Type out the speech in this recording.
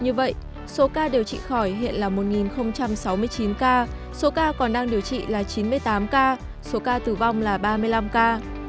như vậy số ca điều trị khỏi hiện là một sáu mươi chín ca số ca còn đang điều trị là chín mươi tám ca số ca tử vong là ba mươi năm ca